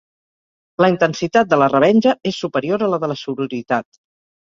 La intensitat de la revenja és superior a la de la sororitat.